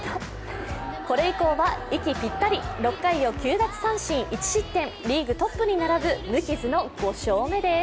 これ以降は息ぴったり６回を９奪三振１失点、リーグトップに並ぶ無傷の５勝目です。